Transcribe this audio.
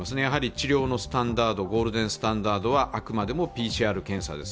治療のスタンダード、ゴールデンスタンダードはあくまでもＰＣＲ検査です。